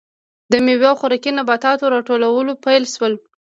د میوو او خوراکي نباتاتو راټولول پیل شول.